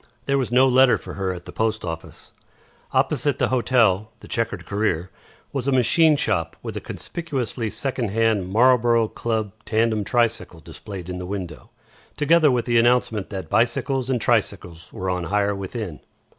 There was no letter for her at the post office. Opposite the hotel, The Chequered Career, was a machine shop with a conspicuously second hand Marlborough Club tandem tricycle displayed in the window, together with the announcement that bicycles and tricycles were on hire within.